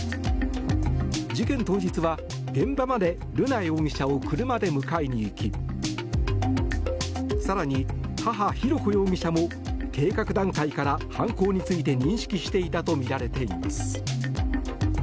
事件当日は、現場まで瑠奈容疑者を車で迎えに行き更に、母・浩子容疑者も計画段階から犯行について認識していたとみられています。